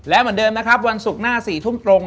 และเหมือนเดิมนะครับวันศุกร์หน้า๔ทุ่มตรง